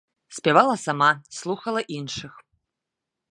Спявала сама, слухала іншых.